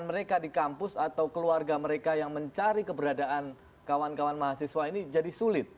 mereka di kampus atau keluarga mereka yang mencari keberadaan kawan kawan mahasiswa ini jadi sulit